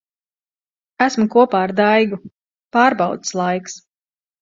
Esmu kopā ar Daigu. Pārbaudes laiks.